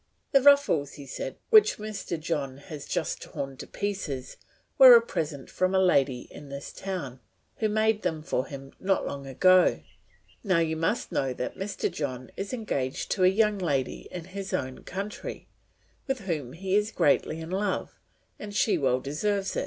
"The ruffles," said he, "which Mr. John has just torn to pieces, were a present from a lady in this town, who made them for him not long ago. Now you must know that Mr. John is engaged to a young lady in his own country, with whom he is greatly in love, and she well deserves it.